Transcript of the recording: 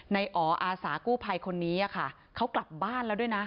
อ๋ออาสากู้ภัยคนนี้ค่ะเขากลับบ้านแล้วด้วยนะ